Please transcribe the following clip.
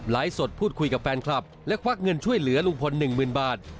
สดพูดคุยกับแฟนคลับและควักเงินช่วยเหลือลุงพล๑๐๐๐บาท